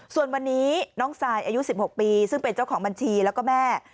ส่วนวันนี้น้องซายอายุ๑๖ปีซึ่งเป็นเจ้าของบัญชีแล้วก็แม่